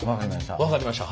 分かりました。